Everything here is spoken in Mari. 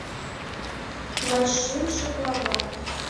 ЛАТШЫМШЕ ГЛАВА